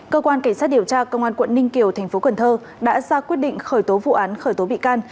cơ quan cảnh sát điều tra công an quận ninh kiều thành phố cần thơ đã ra quyết định khởi tố vụ án khởi tố bị can